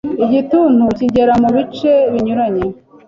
Igituntu kigera mu bice binyuranye